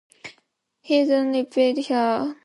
He then raped her.